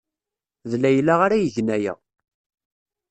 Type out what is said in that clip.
D Layla ara igen aya.